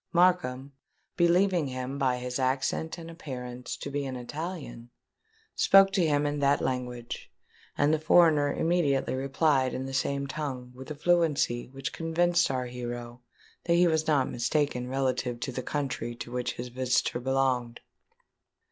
Markham, believing him, by his accent and appearance, to be an Italian, spoke to him in that language; and the foreigner immediately replied in the same tongue with a fluency which convinced our hero that he was not mistaken relative to the country to which his visitor belonged.